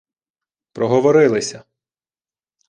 Проговорилися